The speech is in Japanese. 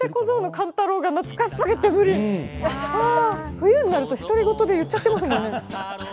冬になると独り言で言っちゃってますもんね。